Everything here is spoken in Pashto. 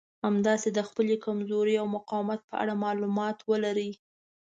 همداسې د خپلې کمزورۍ او مقاومت په اړه مالومات ولرئ.